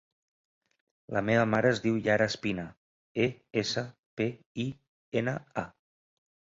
La meva mare es diu Yara Espina: e, essa, pe, i, ena, a.